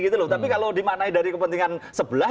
tapi kalau dimaknai dari kepentingan sebelah